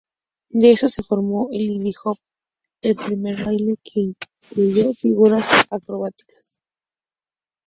De eso se formó el lindy hop, el primer baile que incluyó figuras acrobáticas.